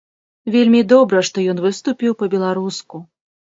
Вельмі добра, што ён выступіў па-беларуску.